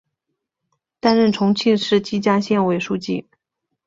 担任重庆市綦江县委书记。